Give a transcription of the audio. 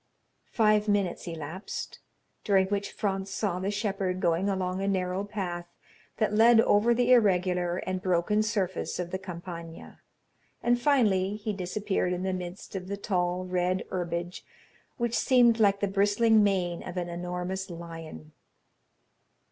Five minutes elapsed, during which Franz saw the shepherd going along a narrow path that led over the irregular and broken surface of the Campagna; and finally he disappeared in the midst of the tall red herbage, which seemed like the bristling mane of an enormous lion.